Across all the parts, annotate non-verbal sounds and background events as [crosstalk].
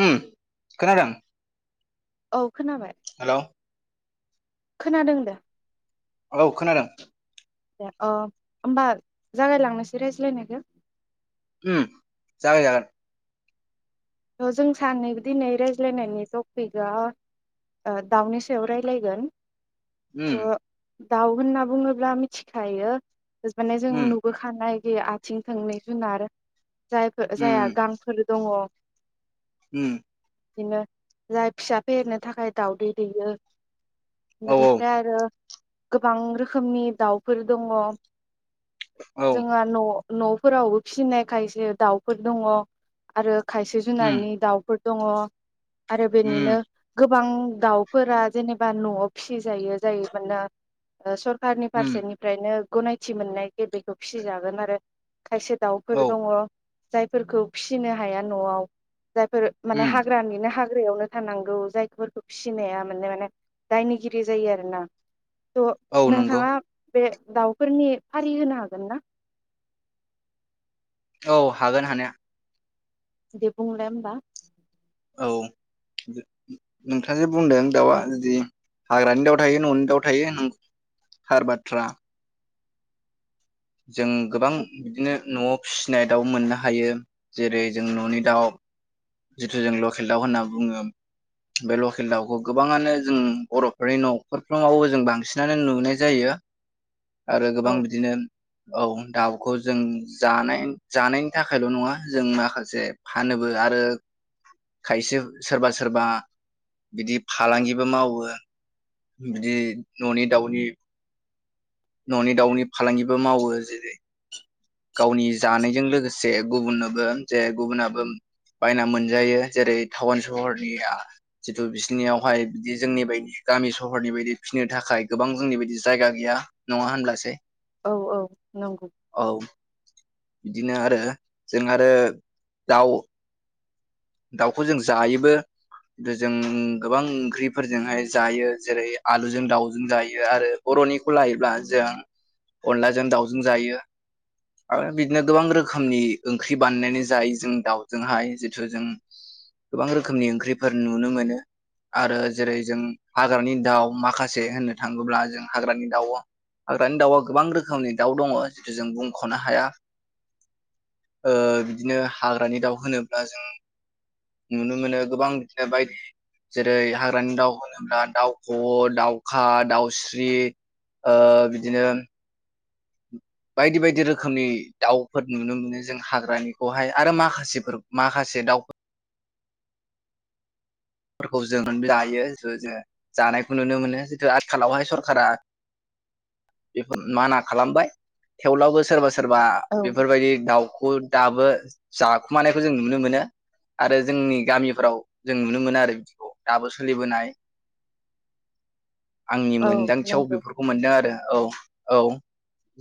उम खोनादों औ। खोनाबाय हेलौ। खोनादों दे औ खोनादों। दे अ होनोमबा जागायलांनोसै रायज्लायनायखौ। ओमजागाय जागोन थ' जों सानै दिनै रायज्लायनायनि टपिकआ दाउनि सायाव रायज्लायगोन। ओम दाउ होनना बुङोब्ला मिथिखायो। माने जों उम नुबोखानाय। बे आथिं थोंनाय जुनार। जायफोर जायहा गांफोर दङ। ओम। बिदिनो जाय फिसा फेहेरनो थाखाय दाउदै दैयो। औ औ बिनिफ्राय आरो गोबां रोखोमनि दाउफोर दङ। औ जोंहा न'। न'फोरावबो फिसिनाय खायसे दाउफोर दङ आरो खायसे उम जुनारनि दावफोर दङ। आरो बेनिनो उम गोबां दाउफोरा जेनेबा न'आव फिसिजायो जाय मानोना स खारानि उम फारसेनिफ्रायनो गनायथि मोननाय जे बेखौ फिसिजागोन आरो। खायसे औ दाउफोर दङ। जायफोरखौ फिसिनो हाया न'आव जायफोर माने उम हाग्रानिनो हाग यावनो थानांगौ जायफोरखौ फिसिनाया माने माने दायनिगिरि जायो आरोना थ औ नंगौ नोंथाङा बे दाउफोरनि फारि होनो हागोन ना? औ हागोन हानाया दे बुंलाय ओमबा औ नोंथाङास बुंदों दाउआ जुदि हाग्रानि दाउ थायो न'नि दाउ थायो हार बाथ्रा जों गोबां औ बिदिनो न'आव फिसिनाय दाउ मोननो हायो जेरै जों न'नि दाउ जिथु जों लकेल दाउ होनना बुङो बे लकेल दाउखौ गोबाङानो जों बर'फोरनि न'खरफ्रामावबो जों बांसिनानो नुनाय जायो आरो गोबां बिदिनो औ दाउखौ जों जानाय जानायनि थाखायल' नङा जों माखासे फानोबो आरो खायसे सोरबा सोरबा बिदि फालांगिबो मावो बिदि न'नि दाउनि न'नि दाउनि फालांगिबो मावो जेरै गावनि जानायजों लोगोसे गुबुननोबो जे गुबुनाबो बायना मोनजायो जेरै टाउन सहरनिया जितु बिसनियावहाय बिदि जोंनि बायदि गामि सहरनि बायदि फिनो थाखाय गोबां जोंनि बायदि जायगा गैया नङा होनब्लासै औ औ नंगौ औ बिदिनो आरो जों आरो दाउ दाउखौ जों जायोबोु जों गोबां ओंख्रिफोरजोंहाय जायो जेरै आलुजों दाउजों जायो आरो बर'निखौ लायोब्ला जों अनलाजों दाउजों जायो आरो बिदिनो गोबां रोखोमनि ओंख्रि बानायनानै जायो जों दाउजोंहाय जिथु जों गोबां रोखोमनि ओंख्रिफोर नुनो मोनो आरो जेरै जों हाग्रानि दाउ माखासे होननो थाङोब्ला जों हाग्रानि दाउ हाग्रानि दाउआ गोबां रोखोमनि दाउ दङ जिथु जों बुंख'नो हाया बिदिनो हाग्रानि दाउ होनोब्ला जों नुनो मोनो गोबां बिदिनो बायदि जेरै हाग्रानि दाउ होनोब्ला दाउख' दाउखा दाउस्रि बिदिनो बायदि बायदि रोखोमनि दाउफोर नुनो मोनो जों हाग्रानिखौहाय आरो माखासेफोर माखासे दाउ फोरखौ जों जायो जोङ जानायखौ नुनो मोनो जितु आथिखालावहाय सरखारा बेफोर माना खालामबाय थेवब्लाबो सोरबा सोर सोरबा औ बेफोरबायदि दाउखौ दाबो जाखुमानायखौ जों नुनो मोनो आरो जोंनि गामिफ्राव जों नुनो मोनो आरो दाबो सोलिबोनाय आंनि औ मोनदांथियाव नंगौ बेफोरखौ मोनदों आरो औ औ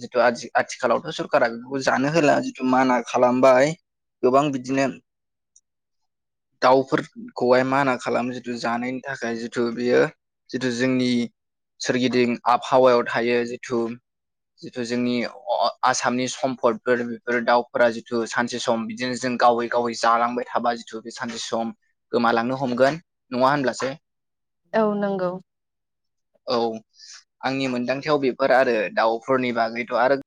जिथु आथिं आथिखालावथ' सरखारा बेखौ जानो होला जिथु माना खालामबाय गोबां बिदिनो दाउफोरखौहाय माना म खालाम जिथु जानायनि थाखाय जिथु बेयो जितु जोंनि सोरगिदिं आबहावायाव थायो जिथु जिथु जोंनि आसामनि सम्फदफोर बेफोर दाउफोरा जिथु सानसे सम बिदिनो जों गावै गावै जालांबाय थाबा जिथु बे सानसे सम गोमालांनो हमगोन नङा होनब्ला [unintelligible] औ नंगौ औ आंनि मोनदांथिाव बेफोर आरो दाउफोरनि बागैथ' आरो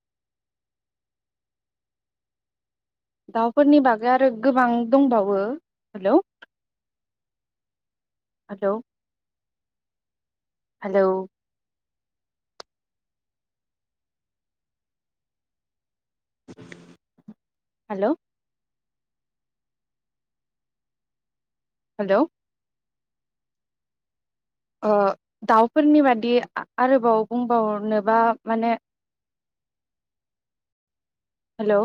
दाउफोरनि बागै आरो गोबां दंबावो हेल' हेल हेलौ [inaudible] हेल' हेल' ओ दाउफोरनि बादि आरोबाव बुंबावनोबा माने हेल'